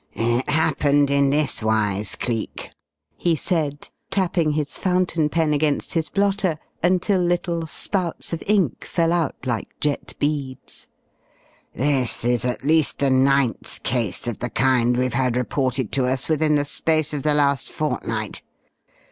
"It happened in this wise, Cleek," he said, tapping his fountain pen against his blotter until little spouts of ink fell out like jet beads. "This is at least the ninth case of the kind we've had reported to us within the space of the last fortnight.